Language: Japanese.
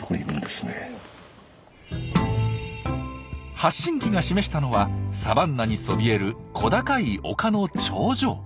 発信機が示したのはサバンナにそびえる小高い丘の頂上。